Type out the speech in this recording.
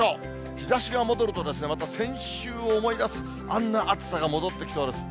日ざしが戻ると、また先週を思い出す、あんな暑さが戻ってきそうです。